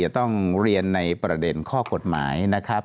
ต้องเรียนในประเด็นข้อกฎหมายนะครับ